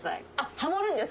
ハモるんです。